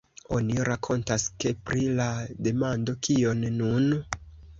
Oni rakontas, ke pri la demando "Kion nun?